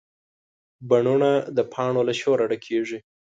بڼونه د پاڼو له شور ډکېږي